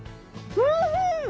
おいしい！